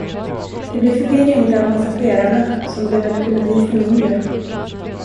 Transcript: Det blir förvirring bland passagerarna, som det väl kunde bli för mindre.